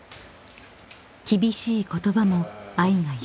［厳しい言葉も愛が故］